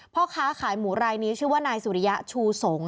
พ่อค้าขายหมูรายนี้ชื่อว่านายสุริยะชูสงศ